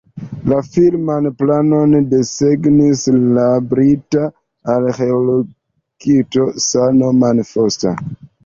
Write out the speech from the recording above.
La finan planon desegnis la brita arĥitekto Sir Norman Foster.